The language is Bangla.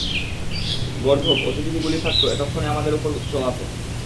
গর্দভ, ওতে যদি গুলি থাকতো, এতক্ষণে আমাদের উপর চালাতো।